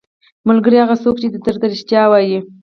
ملګری هغه څوک دی چې درته رښتیا وايي.